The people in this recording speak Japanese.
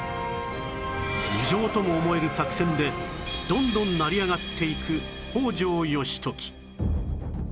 無情とも思える作戦でどんどん成り上がっていく北条義時